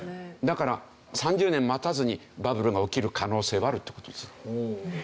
だから３０年待たずにバブルが起きる可能性はあるって事ですよ。